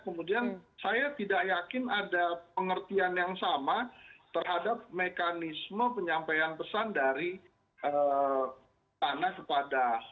kemudian saya tidak yakin ada pengertian yang sama terhadap mekanisme penyampaian pesan dari tanah kepada